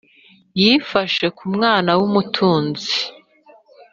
Yifashe nkumwana w’umutunzi